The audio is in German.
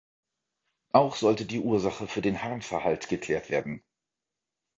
Auch sollte die Ursache für den Harnverhalt geklärt werden.